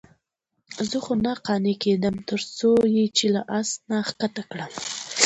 خو زه نه قانع کېدم. ترڅو یې له آس نه ښکته کړم،